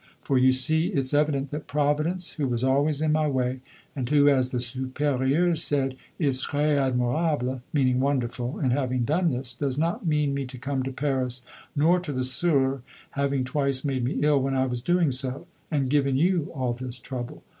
For you see, it's evident that Providence, who was always in my way, and who, as the Supérieure said, is très admirable (meaning wonderful) in having done this, does not mean me to come to Paris nor to the S[oe]urs, having twice made me ill when I was doing so and given you all this trouble.